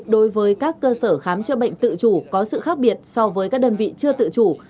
đối với các cơ sở khám chữa bệnh tự chủ có sự khác biệt so với các đơn vị chưa tự chủ